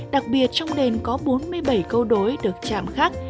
đặc biệt trong đền có bốn mươi bảy câu đối được chạm khắc